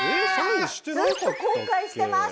ずっと後悔してます！